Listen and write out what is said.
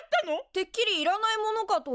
てっきりいらないものかと。